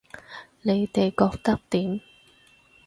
你哋覺得點